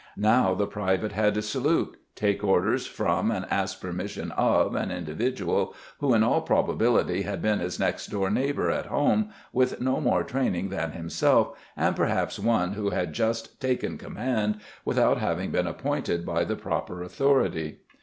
Now the private had to salute, take orders from and ask permission of an individual, who in all probability had been his next door neighbor at home with no more training than himself and perhaps one who had just "taken" command without having been appointed by the proper authority.